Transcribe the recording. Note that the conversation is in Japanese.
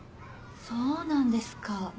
そうなんですか。